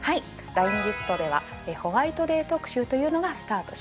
「ＬＩＮＥギフト」ではホワイトデー特集というのがスタートします。